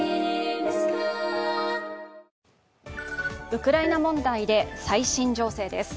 ウクライナ問題で最新情勢です。